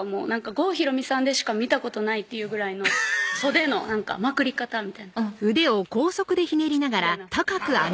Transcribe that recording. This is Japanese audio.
郷ひろみさんでしか見たことないっていうぐらいの袖のまくり方みたいなみたいなハハハハッ